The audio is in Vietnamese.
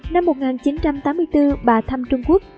năm một nghìn chín trăm tám mươi bốn bà thăm trung quốc